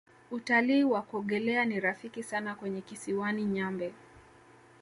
Utalii wa kuogelea ni rafiki sana kwenye kisiwani nyambe